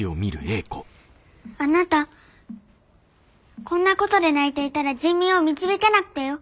あなたこんなことで泣いていたら人民を導けなくてよ。